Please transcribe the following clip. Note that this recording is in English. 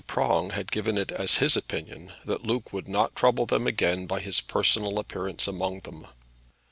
Prong had given it as his opinion that Luke would not trouble them again by his personal appearance among them.